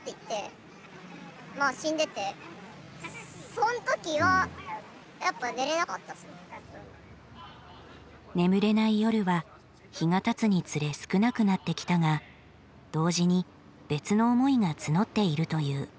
その時は眠れない夜は日がたつにつれ少なくなってきたが同時に別の思いが募っているという。